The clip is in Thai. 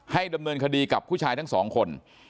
ดำเนินคดีกับผู้ชายทั้งสองคน